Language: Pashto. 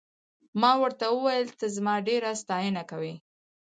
ما ورته وویل ته زما ډېره ستاینه کوې.